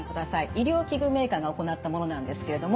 医療器具メーカーが行ったものなんですけれども。